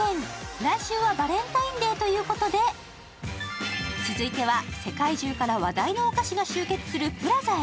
来週はバレンタインデーということで続いては世界中から話題のお菓子が集結するＰＬＡＺＡへ。